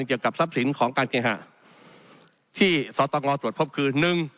เกี่ยวกับทรัพย์สินของการเคหะที่สตงตรวจพบคือ